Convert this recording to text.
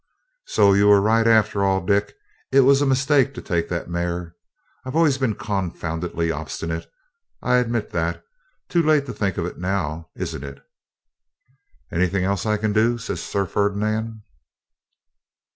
'So you were right, after all, Dick. It was a mistake to take that mare. I've always been confoundedly obstinate; I admit that. Too late to think of it now, isn't it?' 'Anything else I can do?' says Sir Ferdinand.